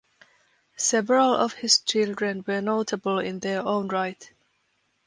Several of his children were notable in their own right.